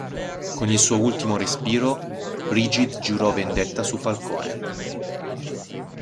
Con il suo ultimo respiro, Brigid giurò vendetta su Falcone.